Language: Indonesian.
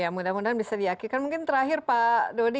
ya mudah mudahan bisa diakhirkan mungkin terakhir pak dodi